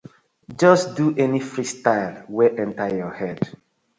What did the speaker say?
Just do any freestyle wey enter yur head.